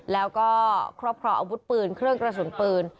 แล้วก็ครอบครองอาวุธปืนเครื่องกระสุนปืน